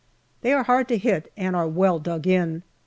They are hard to hit, and are well dug in.